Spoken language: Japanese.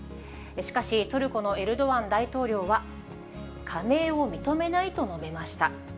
しかし、トルコのエルドアン大統領は、加盟を認めないと述べました。